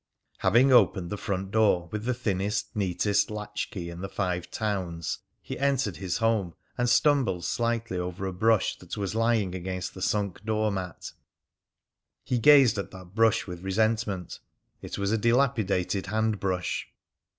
Having opened the front door with the thinnest, neatest latchkey in the Five Towns, he entered his home and stumbled slightly over a brush that was lying against the sunk door mat. He gazed at that brush with resentment. It was a dilapidated handbrush.